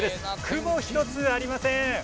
雲１つありません。